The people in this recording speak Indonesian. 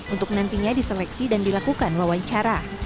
untuk nantinya diseleksi dan dilakukan wawancara